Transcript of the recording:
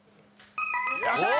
よっしゃー！